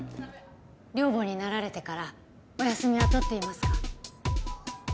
寮母になられてからお休みは取っていますか？